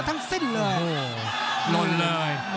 ทั้งสิ้นเลย